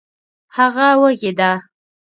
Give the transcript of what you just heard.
هغه وږې ده